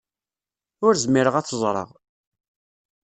Ur zmireɣ ad t-ẓreɣ.